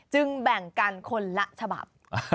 แบ่งกันคนละฉบับ